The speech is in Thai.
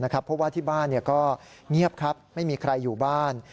เพราะว่าที่บ้านก็เงียบครับไม่มีใครอยู่บ้าน